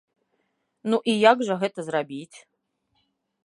Ну і як жа гэта зрабіць?